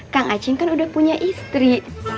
kang acing kan udah punya istri